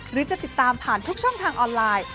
หรือจะติดตามผ่านทุกช่องทางออนไลน์